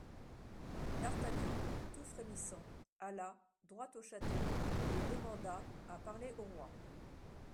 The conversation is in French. D'Artagnan, tout frémissant alla, droit au château et demanda à parler au roi.